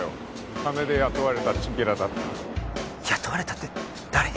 金で雇われたチンピラだった雇われたって誰に？